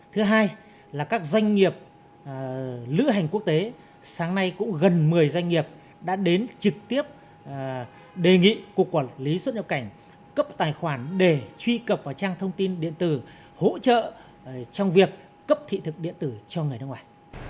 thứ hai là các doanh nghiệp lữ hành quốc tế sáng nay cũng gần một mươi doanh nghiệp đã đến trực tiếp đề nghị cục quản lý xuất nhập cảnh cấp tài khoản để truy cập vào trang thông tin điện tử hỗ trợ trong việc cấp thị thực điện tử cho người nước ngoài